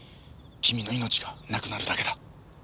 君の命がなくなるだけだ。